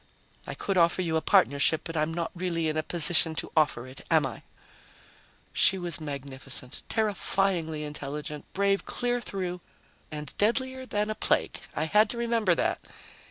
I could offer you a partnership, but I'm not really in a position to offer it, am I?" She was magnificent, terrifyingly intelligent, brave clear through ... and deadlier than a plague. I had to remember that.